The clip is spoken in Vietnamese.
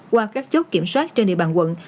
qua các chốt kiểm soát trên địa bàn quận